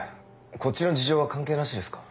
こっちの事情は関係なしですか？